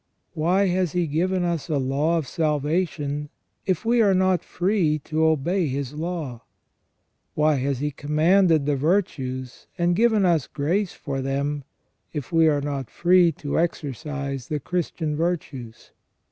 Why has He given us a law of salvation, if we are not free to obey His law ? Why has He commanded the virtues, and given us grace for them, if we are not free to exercise the Christian virtues